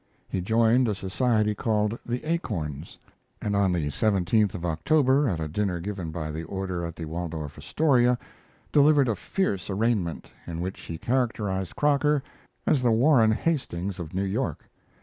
He joined a society called 'The Acorns'; and on the 17th of October, at a dinner given by the order at the Waldorf Astoria, delivered a fierce arraignment, in which he characterized Croker as the Warren Hastings of New York.